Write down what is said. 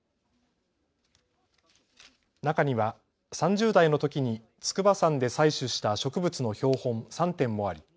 中には３０代のときに筑波山で採取した植物の標本３点もあり